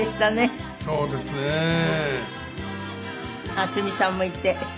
渥美さんもいて。